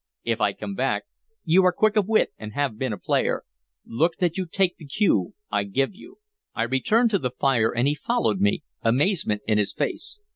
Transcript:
If I come back, you are quick of wit and have been a player; look that you take the cue I give you!" I returned to the fire, and he followed me, amazement in his face.